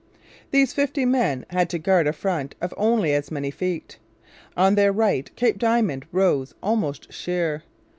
These fifty men had to guard a front of only as many feet. On their right Cape Diamond rose almost sheer.